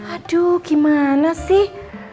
aduh gimana sih